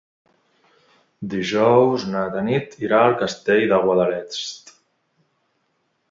Dijous na Tanit irà al Castell de Guadalest.